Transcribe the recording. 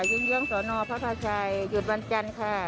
ยึ้งเยี่ยงสวนอพระพระชายหยุดวันจันทร์ค่ะ